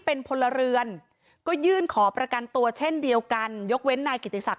เป็นพลเรือนก็ยื่นขอประกันตัวเช่นเดียวกันยกเว้นนายกิติศักด